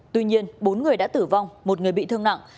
tuy nhiên bốn người đã tử vong một người bị thương nặng